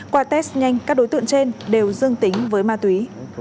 qua test nhanh các đối tượng trên đều dương tính với ma túy